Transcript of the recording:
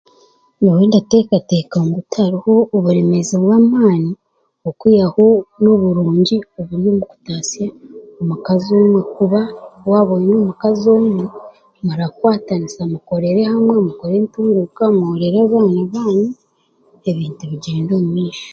Nyowe ndateekateeka ngu tihariho oburemeezi bw'amaani okwihaho n'oburungi oburi omu kutaasya omukazi omwe kuba waaba oine omukazi omwe murakwatanisa mukorere hamwe, mukorere entunguuka, mukorere abaana banyu, ebintu bigyende omu maisho.